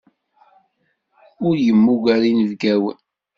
Ur yemmuger inebgawen.